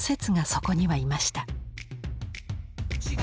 そこにはいました。